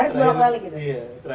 terakhir keluar kamar mungkin aku aja